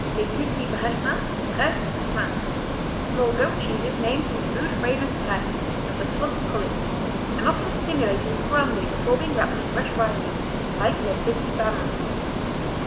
Les Petits Bressans Bresse, France Small goat cheeses named from food famous Bresse, of the plump pullets, and often stimulated with brandy before being wrapped in fresh vine leaves, like Les Petits Banons.